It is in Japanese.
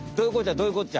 どういうこっちゃ？